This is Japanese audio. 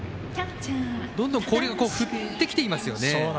どんどん、広陵振ってきていますよね。